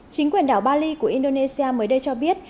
chính quyền đảo bali của indonesia mới đây cho biết